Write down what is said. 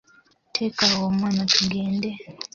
Teeka awo omwana tugende.